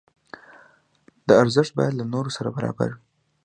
دا ارزښت باید له نورو سره برابر وي.